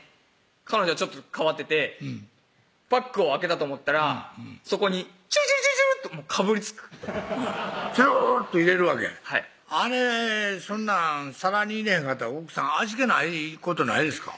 彼女はちょっと変わっててパックを開けたと思ったらそこにチュルチュルチュルチュルとかぶりつくチューッと入れるわけはいあれそんなん皿に入れへんかったら奥さん味気ないことないですか？